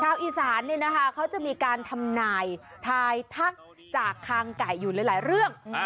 อีสานเนี่ยนะคะเขาจะมีการทำนายทายทักจากคางไก่อยู่หลายเรื่อง